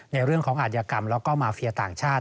ในเรื่องของอาธิกรรมแล้วก็มาเฟียต่างชาติ